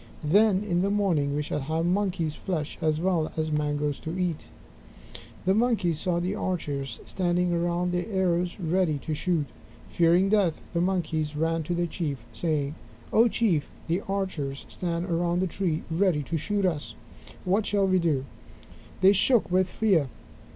Then in the morning we shall have Monkey's flesh as well as mangoes to eat." The Monkeys saw the archers standing around with their arrows ready to shoot. Fearing death, the Monkeys ran to their Chief, saying: "O Chief, the archers stand around the tree ready to shoot us! What shall we do?" They shook with fear.